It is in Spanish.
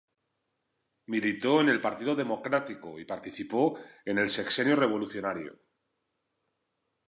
Militó en el partido democrático y participó en el Sexenio Revolucionario.